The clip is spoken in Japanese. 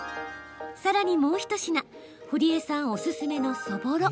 さらに、もう一品ほりえさんおすすめの、そぼろ。